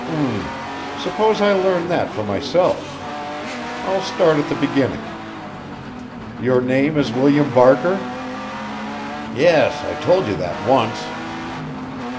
"H m! Suppose I learn that for myself! I'll start at the beginning. Your name is William Barker?" "Yes. I told you that once."